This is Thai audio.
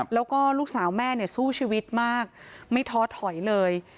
แล้วก็ลูกสาวแม่เนี่ยสู้ชีวิตมากไม่ท้อถอยเลย